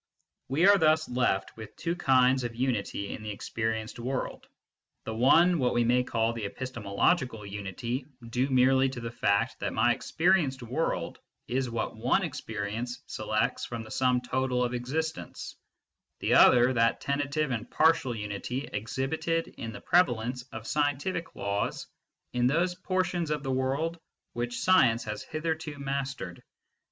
We are thus left with two kinds of unity in the experienced world ; the one what we may call the epistemological unity, due merely to the fact that my experienced world is what one experience selects from the sum total of existence ; the other that tentative and partial unity exhibited in the prevalence of scientific laws in those portions of the world which science has hitherto mastered.